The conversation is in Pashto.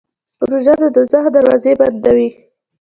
روژه د دوزخ دروازې بندوي.